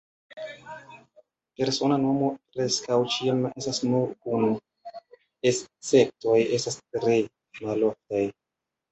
Persona nomo preskaŭ ĉiam estas nur unu, esceptoj estas tre maloftaj.